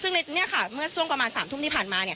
ซึ่งนี่ค่ะเมื่อส่วนประมาณ๓ทุ่มที่ผ่านมา